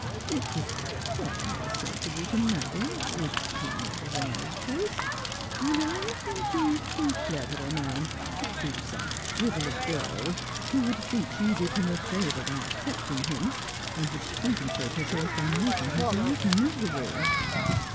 It would be far more sensible to marry — if he made a wise choice — and I think he is too clever a man to choose some frivolous girl, who would think she did him a favour by accepting him, and would compensate herself by making his life miserable.'